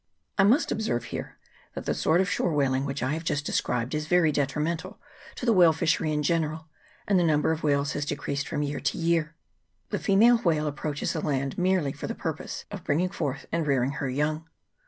I must observe here, that the sort of shore whal ing which I have just described is very detrimental CHAP. II.] LEGISLATIVE MEASURES. 53 to the whale fishery in general, and the number of whales has decreased from year to year. The female whale approaches the land merely for the purpose of bringing forth and rearing her young.